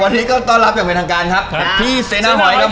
วันนี้ก็ต้อนรับอย่างเป็นทางการครับครับพี่เซนาหอยครับ